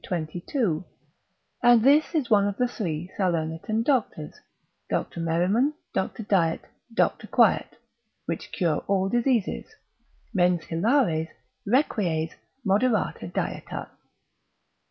22; and this is one of the three Salernitan doctors, Dr. Merryman, Dr. Diet, Dr. Quiet, which cure all diseases—Mens hilaris, requies, moderata dieta.